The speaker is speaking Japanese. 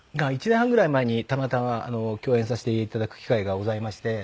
１年半ぐらい前にたまたま共演させていただく機会がございまして。